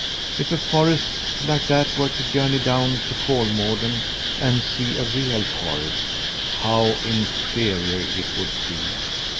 If a forest like that were to journey down to Kolmården and see a real forest, how inferior it would feel!